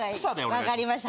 わかりました